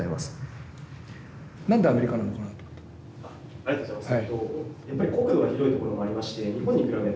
ありがとうございます。